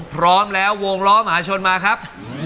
พร้อมแล้ววงล้อมหาชนมาครับ